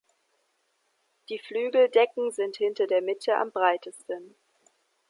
Die Flügeldecken sind hinter der Mitte am breitesten.